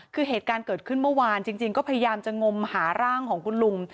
คือเหตุการณ์เกิดขึ้นเมื่อวานจริงก็พยายามจะงมหาร่างของคุณลุง